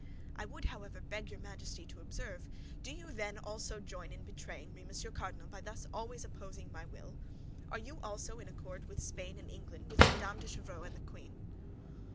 "I would, however, beg your Majesty to observe—" "Do you, then, also join in betraying me, Monsieur Cardinal, by thus always opposing my will? Are you also in accord with Spain and England, with Madame de Chevreuse and the queen?"